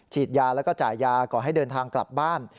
ยาแล้วก็จ่ายยาก่อให้เดินทางกลับบ้าน